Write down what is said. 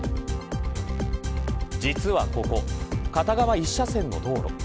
実はここ片側１車線の道路。